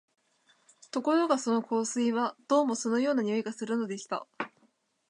ところがその香水は、どうも酢のような匂いがするのでした